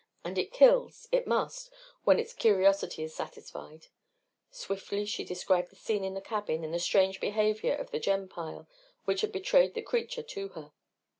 And it kills it must when its curiosity is satisfied." Swiftly she described the scene in the cabin and the strange behavior of the gem pile which had betrayed the creature to her.